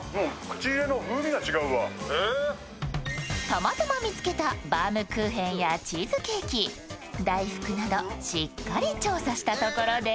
たまたま見つけたバウムクーヘンやチーズケーキ、大福などしっかり調査したところで